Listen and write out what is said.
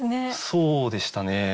そうでしたね。